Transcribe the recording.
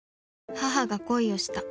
母が恋をした。